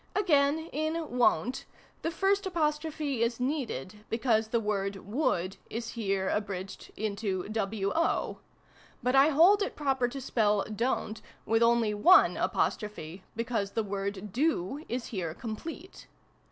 Again, in " wo'n't," the first apostrophe is needed, because the word " would " is here abridged into " wo ": but I hold it proper to spell " don't " with only one apostrophe, because the word " do " is here complete.